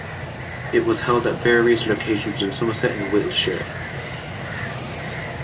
It was held at various locations in Somerset and Wiltshire.